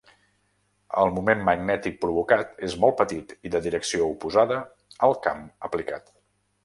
El moment magnètic provocat és molt petit i de direcció oposada al camp aplicat.